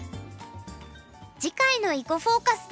次回の「囲碁フォーカス」です。